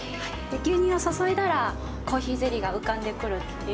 牛乳を注いだらコーヒーゼリーが浮かんでくるっていう。